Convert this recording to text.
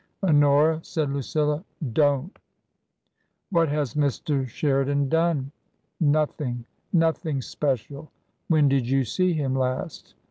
"Honora," said Lucilla— "rf^«V.'" " What has Mr. Sheridan done ?"" Nothing. Nothing special." " When did you see him last